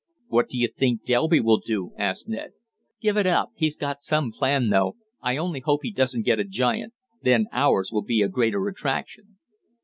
"What do you think Delby will do?" asked Ned. "Give it up. He's got some plan though. I only hope he doesn't get a giant. Then ours will be a greater attraction."